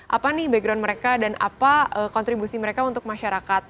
apa nih background mereka dan apa kontribusi mereka untuk masyarakat